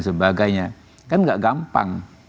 sebagainya kan gak gampang